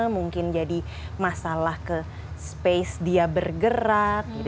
mungkin jadi masalah ke space dia bergerak